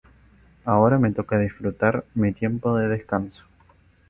Ahora me toca disfrutar mi tiempo de descanso.